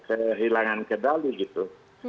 kehilangan kedali gitu